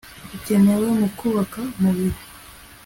zikenewe mu kubaka umubiri